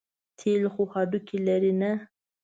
تېل خو هډو لري نه.